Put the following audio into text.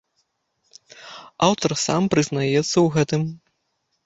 Аўтар сам прызнаецца ў гэтым.